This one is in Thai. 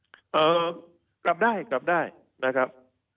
เอ่อกลับได้กลับได้นะครับ